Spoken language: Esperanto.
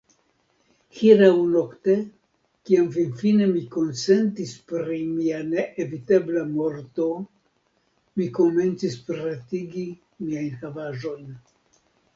Hieraŭnokte, kiam finfine mi konsentis pri mia neevitebla morto, mi komencis pretigi miajn havaĵojn.